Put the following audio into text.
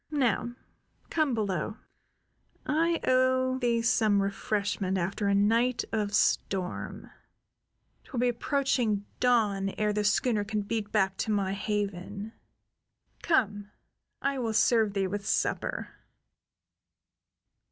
Now come below. I owe thee some refreshment after a night of storm. 'Twill be approaching dawn ere the schooner can beat back to my haven. Come. I will serve thee with supper."